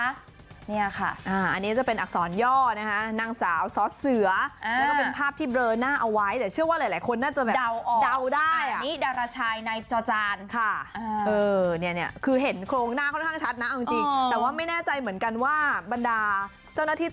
อันนี้จะเป็นอักษรย่อนะคะนางสาวสาวเสือแล้วก็เป็นภาพที่เบลอหน้าเอาไว้แต่เชื่อว่าหลายคนน่าจะแบบเดาได้